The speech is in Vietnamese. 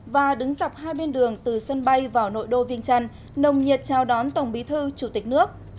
và đứng dọc hai bên đường từ sân bay vào nội đô viên trăn nồng nhiệt trao đón tổng bí thư chủ tịch nước